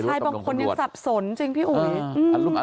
ใช่บางคนยังสับสนจริงพี่อุ๋ย